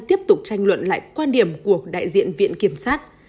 tiếp tục tranh luận lại quan điểm của đại diện viện kiểm sát